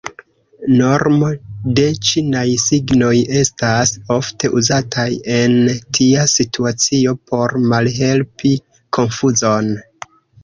Normo de ĉinaj signoj estas ofte uzataj en tia situacio por malhelpi konfuzon.